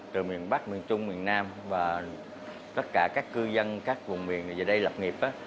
từ miền bắc miền trung miền nam và tất cả các cư dân các vùng miền về đây lập nghiệp